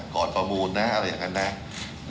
ประมูลนะอะไรอย่างนั้นนะ